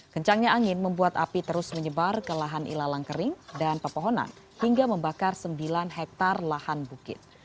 kencangnya angin membuat api terus menyebar ke lahan ilalang kering dan pepohonan hingga membakar sembilan hektare lahan bukit